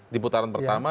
di putaran pertama